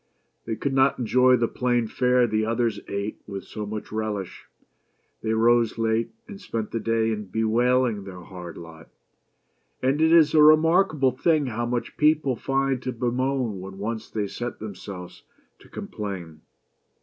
They could not enjoy the plain fare the others' ate with so much relish. They rose late, and spent the day in bewailing their hard lot ; and it is a remarkable thing how much people find to bemoan when once they set themselves to complain.